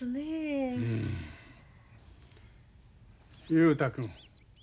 雄太君。